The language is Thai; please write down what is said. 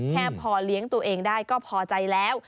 แค่พอเลี้ยงตัวเองได้ก็พอใจแล้ว